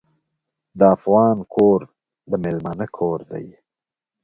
د افغان کور د میلمانه کور دی.